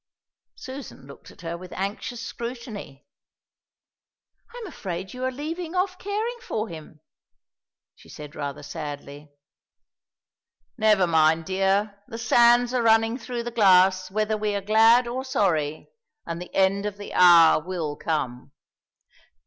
Susan looked at her with anxious scrutiny. "I'm afraid you are leaving off caring for him," she said rather sadly. "Never mind, dear. The sands are running through the glass, whether we are glad or sorry, and the end of the hour will come."